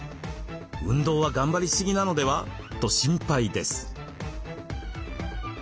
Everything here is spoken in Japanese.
運動は頑張りすぎなのでは？と心配です。